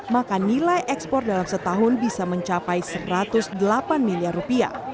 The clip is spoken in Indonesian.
maka nilai ekspor dalam setahun bisa mencapai satu ratus delapan miliar rupiah